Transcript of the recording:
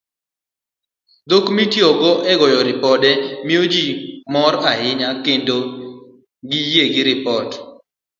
Dhok mitiyogo e goyo ripode, miyo ji mor ahinya kendo giyie gi ripot.